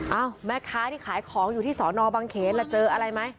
เอ้าแม่ค้าอยู่ขายของอยู่ที่สนบังเขนแล้วเจออะไรไหม